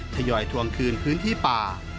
ทยอยทวงคืนพื้นที่ป่า